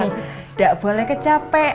nggak boleh kecapek